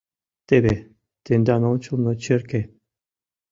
— Теве тендан ончылно черке!